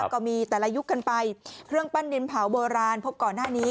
ก็มีแต่ละยุคกันไปเครื่องปั้นดินเผาโบราณพบก่อนหน้านี้